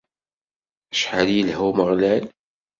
Acḥal yelha Umeɣlal!